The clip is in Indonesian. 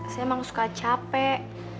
saya memang suka capek